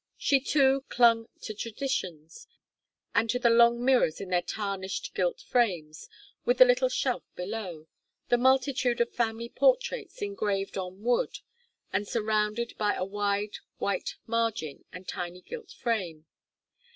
She too clung to traditions and to the long mirrors in their tarnished gilt frames, with the little shelf below; the multitude of family portraits engraved on wood, and surrounded by a wide white margin and tiny gilt frame.